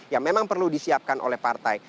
yang memang perlu disiapkan oleh partai